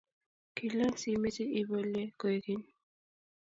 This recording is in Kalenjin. Kilyan siimeche ibolie kwekeny